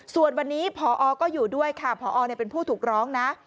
ส่วนวันนี้พอก็อยู่ด้วยค่ะพอเป็นผู้ถูกร้องนะ